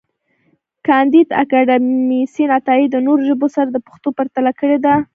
کانديد اکاډميسن عطایي د نورو ژبو سره د پښتو پرتله کړې ده.